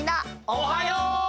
おはよう！